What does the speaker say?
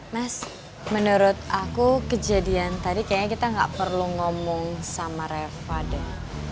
mas menurut aku kejadian tadi kayaknya kita nggak perlu ngomong sama reva deh